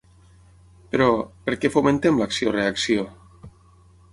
Però, per què fomenten l’acció-reacció?